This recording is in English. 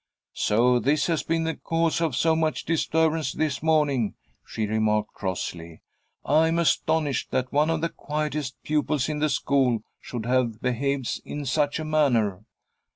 "So this has been the cause of so much disturbance this morning," she remarked, crossly. "I'm astonished that one of the quietest pupils in the school should have behaved in such a manner."